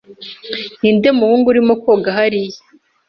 Ninde muhungu urimo koga hariya?